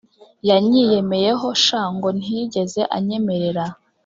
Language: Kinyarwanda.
yanyiyemeyeho sha ngo ntiyegeze anyemerera